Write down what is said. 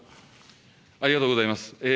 ありがとうございます。